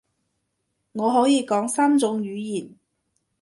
我可以講三種語言